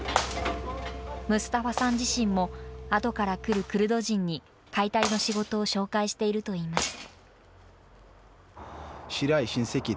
ムスタファさん自身も、あとから来るクルド人に解体の仕事を紹介しているといいます。